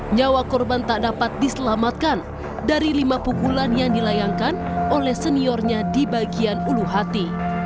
nyawa korban tak dapat diselamatkan dari lima pukulan yang dilayangkan oleh seniornya di bagian ulu hati